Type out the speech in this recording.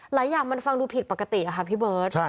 หลายอย่างมันฟังดูผิดปกติค่ะพี่เบิร์ต